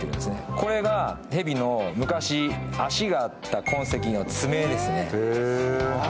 これがへびの昔足があった痕跡の爪ですね。